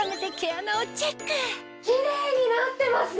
キレイになってますね！